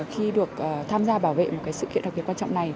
khi được tham gia bảo vệ một sự kiện đặc biệt quan trọng này